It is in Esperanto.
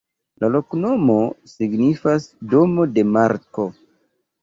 La loknomo signifas: domo de Marko.